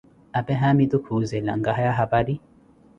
apee haamitu kuuzela, Nkahaya haparini?